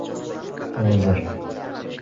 — Hodzir...